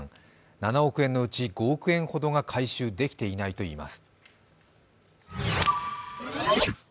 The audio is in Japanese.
７億円のうち５億円ほどが回収できていないとしています。